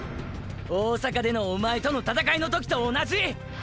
大阪でのおまえとの闘いの時と同じ！！